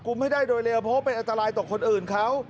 กลุ่มให้ได้โดยเรียนเพราะเป็นอัตรายต่อคนอื่นเขา